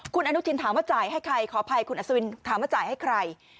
คุณอนุทินถามว่าจ่ายให้ใครขออภัยคุณอัศวินถามว่าจ่ายให้ใคร